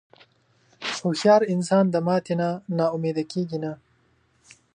هوښیار انسان د ماتې نه نا امیده نه کېږي.